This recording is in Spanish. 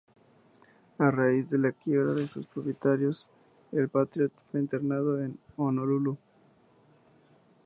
A raíz de la quiebra de sus propietarios el Patriot fue internado en Honolulu.